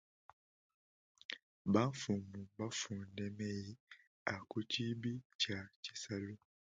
Bamfumu mbafunde meyi a ku tshibi tshia tshisalu.